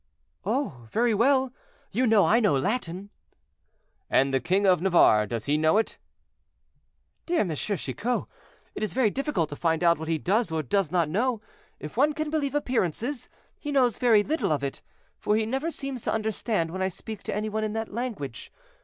"Oh, very well; you know I know Latin." "And the king of Navarre, does he know it?" "Dear M. Chicot, it is very difficult to find out what he does or does not know. If one can believe appearances, he knows very little of it, for he never seems to understand when I speak to any one in that language.